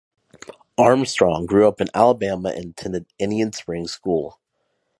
Armstrong grew up in Alabama and attended Indian Springs School.